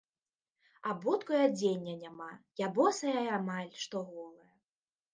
Абутку і адзення няма, я босая і амаль што голая.